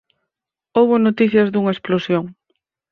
Houbo noticias dunha explosión.